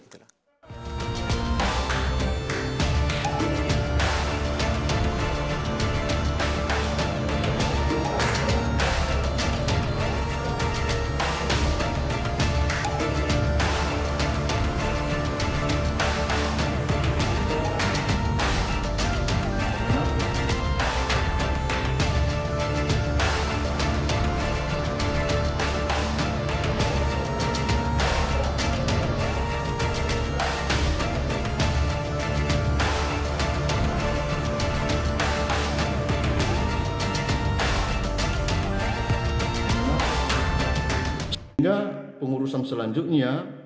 sehingga pengurusan selanjutnya